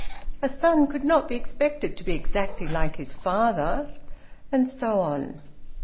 A son could not be expected to be exactly like his father. And so on.